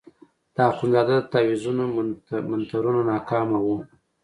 د اخندزاده د تاویزونو منترونه ناکامه وو.